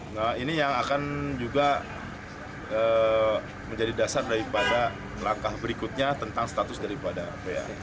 nah ini yang akan juga menjadi dasar daripada langkah berikutnya tentang status daripada ba